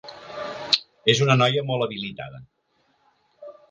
És una noia molt habilitada.